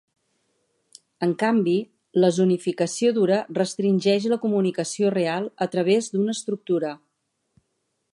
En canvi, la zonificació dura restringeix la comunicació real a través d'una estructura.